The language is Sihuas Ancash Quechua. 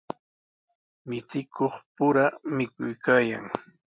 Michikuqpura mikuykaayan.